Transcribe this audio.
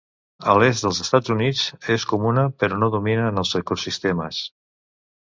A l'est dels Estats Units és comuna però no domina en els ecosistemes.